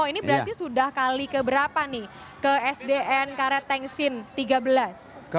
bagaimana publican ini baru selesai mungkin dua ribu lima belas atau enam belas ya bu rasa kayaknya eh putus pak ya